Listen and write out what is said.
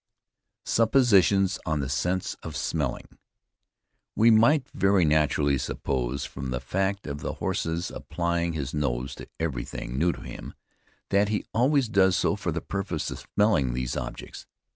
SUPPOSITIONS ON THE SENSE OF SMELLING. We might very naturally suppose, from the fact of the horse's applying his nose to every thing new to him, that he always does so for the purpose of smelling these objects.